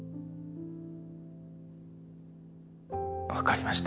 分かりました。